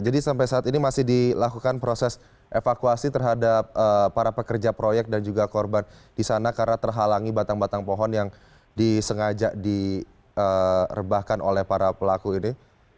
jadi sampai saat ini masih dilakukan proses evakuasi terhadap para pekerja proyek dan juga korban di sana karena terhalangi batang batang pohon yang disengaja direbahkan oleh para pelaku ini